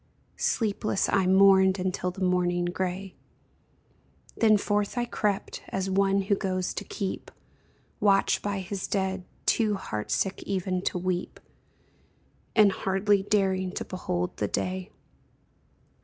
Sleepless I mourned until the morning gray ; Then forth I crept, as one who goes to keep Watch by his dead, too heartsick even to weep. And hardly daring to behold the day.